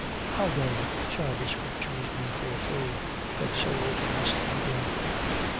26:54. How then shall the scriptures be fulfilled, that so it must be done?